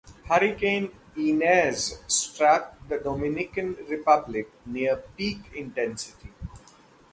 Hurricane Inez struck the Dominican Republic near peak intensity.